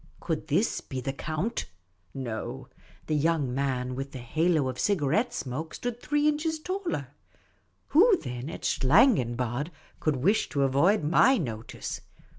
Could this be the Count ? No, the young man with the halo 38 Miss Cayley's Adventures of cigarette smoke stood three inches taller. Who, then, at Schlangenbad could wish to avoid my notice